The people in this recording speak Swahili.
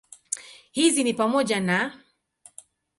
Hizi ni pamoja na